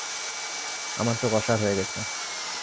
আমার চোখ অসাড় হয়ে গেছে।